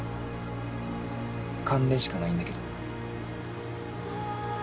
勘でしかないんだけど。